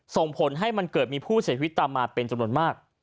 ส่งผลให้มันเกิดมีผู้เสียชีวิตตามมาเป็นจำนวนมาก